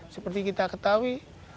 seperti kita ketahui